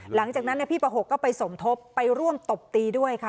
หลังจากนั้นพี่ประหกก็ไปสมทบไปร่วมตบตีด้วยค่ะ